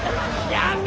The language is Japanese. やめ！